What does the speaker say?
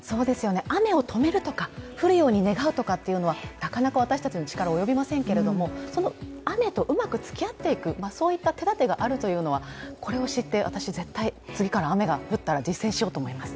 雨を止めるとか降るように願うというのはなかなか私たちの力は及びませんけれども、その雨とうまくつきあっていく、そういった手だてがあるというのは、これを知って、私、次から絶対実践しようと思います。